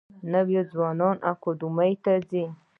نوي ځوانان اکاډمیو ته ځي.